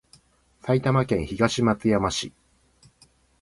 埼玉県東松山市